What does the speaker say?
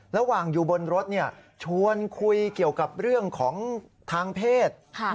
ระหว่างอยู่บนรถชวนคุยเกี่ยวกับเรื่องของทางเพศ